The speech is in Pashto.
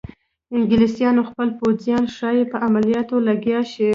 انګلیسیانو خپل پوځیان ښایي په عملیاتو لګیا شي.